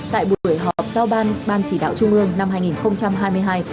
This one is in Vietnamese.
tại buổi họp giao ban ban chỉ đạo trung ương năm hai nghìn hai mươi hai